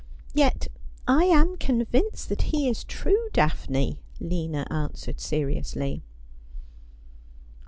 ' Yet I am convinced that he is true. Daphne,' Lina an swered seriously.